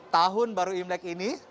tahun baru imlek ini